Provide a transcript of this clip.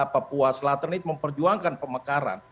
papua selatan itu memperjuangkan pemekaran